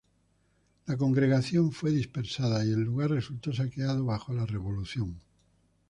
La congregación fue dispersada y el lugar resultó saqueado bajo la Revolución.